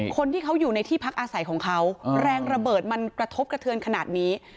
คนที่เขาอยู่ในที่พักอาศัยของเขาแรงระเบิดมันกระทบกระเทือนขนาดนี้